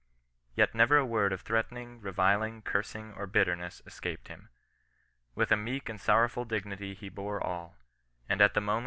Yet never a word of threatening, reviling, cursing, or bitterness escaped him. With a meek and soirowful dignity he bore all ; and at the moment